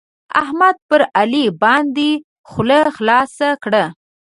احمد پر علي باندې خوله خلاصه کړه.